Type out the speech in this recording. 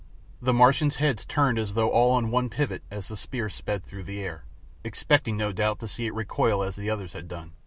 The Martians' heads turned as though all on one pivot as the spear sped through the air, expecting no doubt to see it recoil as others had done.